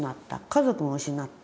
家族も失った。